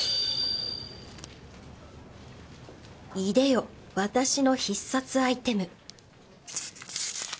いでよ私の必殺アイテム